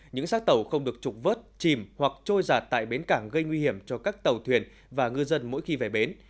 những xác tàu không được trục vớt chìm hoặc trôi giạt tại bến cảng gây nguy hiểm cho các tàu thuyền và ngư dân mỗi khi về bến